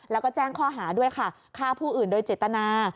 แล้วก็แจ้งข้อหาด้วยค่ะฆ่าผู้อื่นโดยเจตนา